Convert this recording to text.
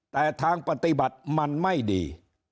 แต่ทางปฏิบัติมันไม่ดี